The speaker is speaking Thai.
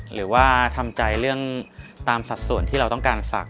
หรือว่าทำใจเรื่องตามสัดส่วนที่เราต้องการศักดิ